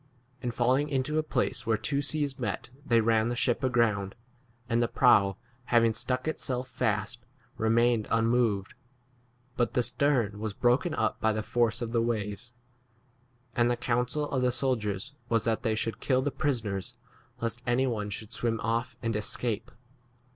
And falling into a place where two seas met they ran the ship aground, and the prow having stuck itself fast remained unmoved, but the stern was broken up by the force of the 4f waves. And [the] counsel of the soldiers was that they should kill the prisoners lest any one should 43 swim off and escape.